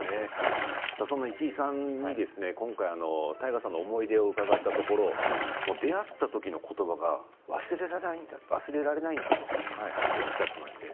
その石井さんに太賀さんの思い出を伺ったところ出会ったときのことばが忘れられないんだとおっしゃっていました。